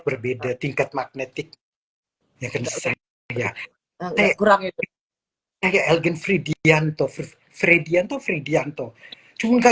berbeda tingkat magnetik ya kan saya kurang itu kayak elgin fridianto fridianto fridianto cuma